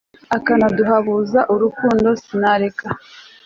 akanaduhabuza urukundo sinareka